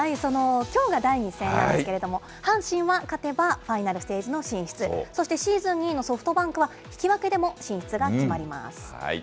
きょうが第２戦なんですけれども、阪神は勝てば、ファイナルステージへの進出、そしてシーズン２位のソフトバンクは引き分けでも進出が決まります。